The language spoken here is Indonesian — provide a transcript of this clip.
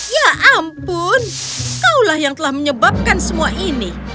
ya ampun kau lah yang telah menyebabkan semua ini